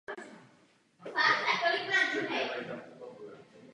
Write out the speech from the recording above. Výjimkou byly dva roky strávené na základní vojenské službě v Dukle Trenčín.